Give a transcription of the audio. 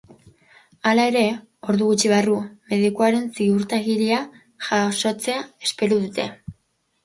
Hala ere, ordu gutxi barru medikuaren ziurtagiria jasotzea espero dute.